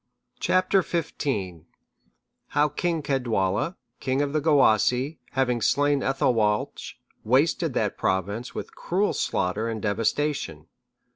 Chap. XV. How King Caedwalla, king of the Gewissae, having slain Ethelwalch, wasted that Province with cruel slaughter and devastation.